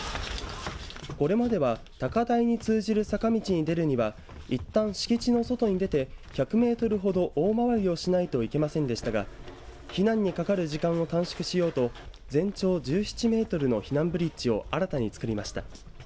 これまでは高台に通じる坂道に出るにはいったん敷地の外に出て１００メートルほど大周りをしないといけませんでしたが避難にかかる時間を短縮しようと全長１７メートルの避難ブリッジを新たにつくりました。